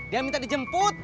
dia minta dijemput